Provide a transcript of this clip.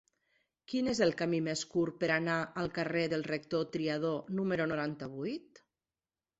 Quin és el camí més curt per anar al carrer del Rector Triadó número noranta-vuit?